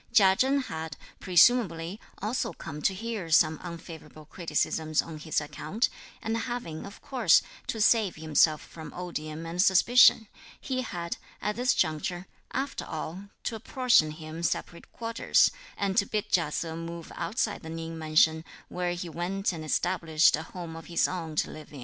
Chia Chen had, presumably, also come to hear some unfavourable criticisms (on his account), and having, of course, to save himself from odium and suspicion, he had, at this juncture, after all, to apportion him separate quarters, and to bid Chia Se move outside the Ning mansion, where he went and established a home of his own to live in.